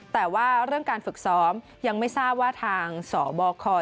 แต่ว่าเรื่องการฝึกซ้อมยังไม่ทราบว่าทางสบค